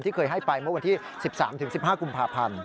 เคยให้ไปเมื่อวันที่๑๓๑๕กุมภาพันธ์